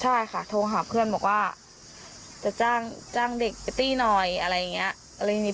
ใช่ค่ะโทรหาเพื่อนบอกว่าจะจ้างเด็กไปตี้หน่อยอะไรอย่างนี้